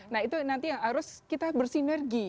nah itu nanti yang harus kita bersinergi